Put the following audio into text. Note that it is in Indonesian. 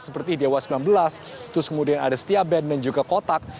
seperti dewa sembilan belas terus kemudian ada setia band dan juga kotak